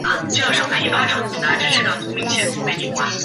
埃斯莫里斯是葡萄牙阿威罗区的一个堂区。